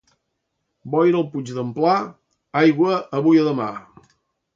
Boira al puig d'en Pla, aigua avui o demà.